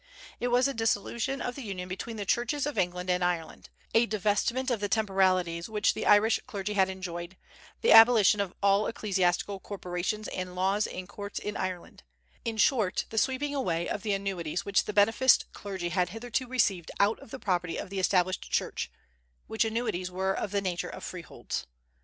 It was a dissolution of the union between the Churches of England and Ireland; a divestment of the temporalities which the Irish clergy had enjoyed; the abolition of all ecclesiastical corporations and laws and courts in Ireland, in short, the sweeping away of the annuities which the beneficed clergy had hitherto received out of the property of the Established Church, which annuities were of the nature of freeholds.